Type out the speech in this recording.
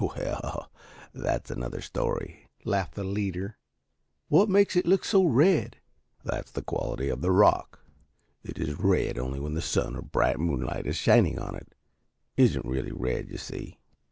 "Well, that's another story," laughed the leader. "What makes it look so red?" "That's the quality of the rock. It is red only when the sun or bright moonlight is shining on it. Isn't really red, you see."